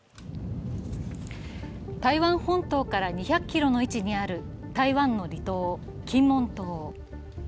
台湾本島から２００ｋｍの位置にある、台湾の離島、金門島。